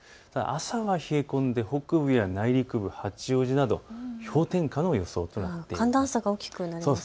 朝は冷え込んで北部や内陸部、八王子など氷点下の予想となっています。